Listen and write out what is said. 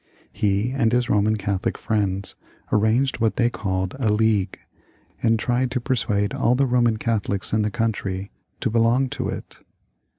He and his Boman CathoHc friends arranged what they called a League, and XXXIX.] HENRY IIL 287 tried to persuade all the Boman Catholics in the country to belong to it.